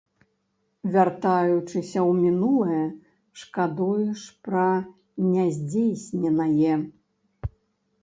Вяртаючыся ў мінулае, шкадуеш пра няздзейсненае.